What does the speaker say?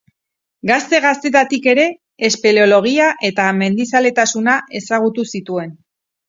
Gazte-gaztetatik ere espeleologia eta mendizaletasuna ezagutu zituen.